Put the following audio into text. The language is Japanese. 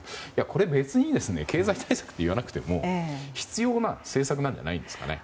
これは別に経済対策と言わなくても必要な政策なんじゃないですかね。